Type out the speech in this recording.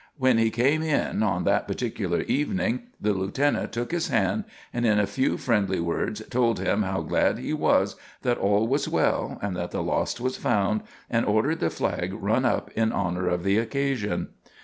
When he came in on that particular evening, the lieutenant took his hand, and in a few friendly words told him how glad he was that all was well and that the lost was found, and ordered the flag run up in honor of the occasion.